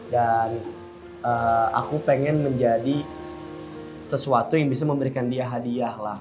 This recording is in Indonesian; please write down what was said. dan aku pengen menjadi sesuatu yang bisa memberikan dia hadiah lah